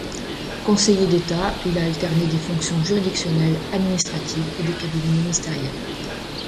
Conseiller d’État, il a alterné des fonctions juridictionnelles, administratives et de cabinets ministériels.